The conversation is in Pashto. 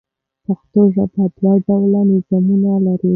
پښتو ژبه دوه ډوله نظمونه لري.